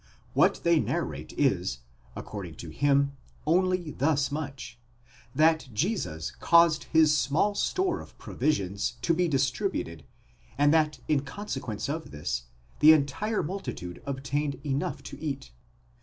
What they narrate is, according to him, only thus much; that Jesus caused his small store of provisions to be distributed, and that in consequence of this the entire multitude obtained enough to eat.